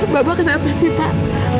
bapak kenapa sih pak